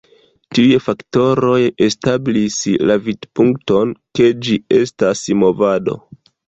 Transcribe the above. Tiuj faktoroj establis la vidpunkton ke ĝi estas "movado".